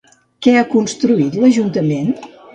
Què ha construït l'Ajuntament?